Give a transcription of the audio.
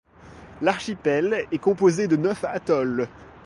L’archipel est composé de neuf atolls.